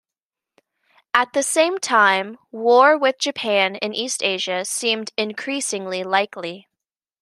At the same time, war with Japan in East Asia seemed increasingly likely.